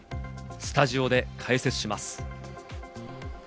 スタジオで解説します。